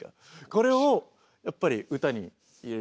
これをやっぱり歌に入れると。